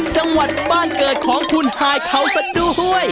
จังหวัดบ้านเกิดของคุณฮายเขาซะด้วย